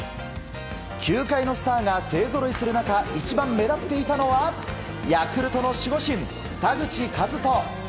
球界のスターが勢ぞろいする中一番目立っていたのはヤクルトの守護神、田口麗斗。